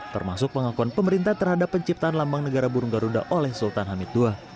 termasuk pengakuan pemerintah terhadap penciptaan lambang negara burung garuda oleh sultan hamid ii